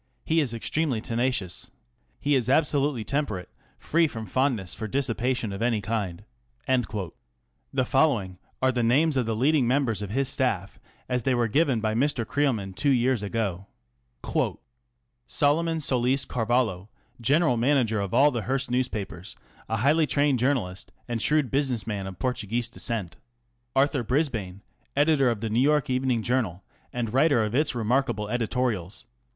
He is extremely tenacious. He is absolutely temperate, free from fondness for dissipation of any kind. The following are the names of the leading members of his staff as they were given by Mr. Creel man two years ago :ŌĆö Solomon Solis Carvalho, general manager of all the Hearst newspapers ; a highly trained journalist and shrewd business man of Portuguese descent. Arthur Brisbane, editor of the Neiv York Evening Journal and writer of its remarkable editorials.